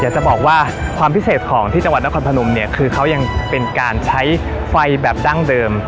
จะบอกว่าความพิเศษของที่จังหวัดนครพนมเนี่ยคือเขายังเป็นการใช้ไฟแบบดั้งเดิม